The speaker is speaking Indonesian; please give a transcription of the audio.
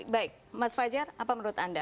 baik mas fajar apa menurut anda